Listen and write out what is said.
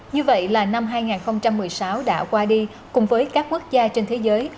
như vậy là năm hai nghìn một mươi sáu đã qua đi cùng với các quốc gia trên thế giới